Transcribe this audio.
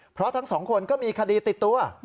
เพราะทั้งสองคนก็มีคดีติดตัว